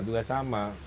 itu gak sama